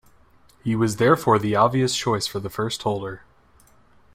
He was therefore the obvious choice for the first holder.